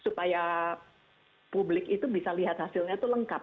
supaya publik itu bisa lihat hasilnya itu lengkap